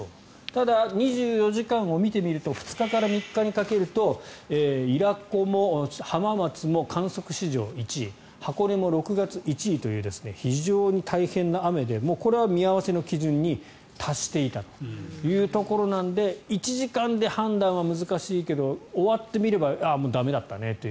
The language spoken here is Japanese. ただ、２４時間を見てみると２日から３日にかけると伊良湖も浜松も観測史上１位箱根も６月１位という非常に大変な雨でこれは見合わせの基準に達していたというところなので１時間で判断は難しいけど終わってみればもう駄目だったねと。